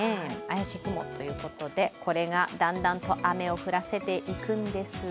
怪しい雲ということで、これがだんだんと雨を降らせていくんです。